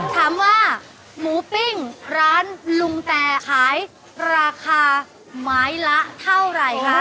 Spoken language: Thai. ถามว่าหมูปิ้งร้านลุงแต่ขายราคาไม้ละเท่าไหร่คะ